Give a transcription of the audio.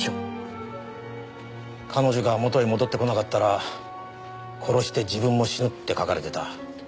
彼女がもとへ戻ってこなかったら殺して自分も死ぬって書かれてた。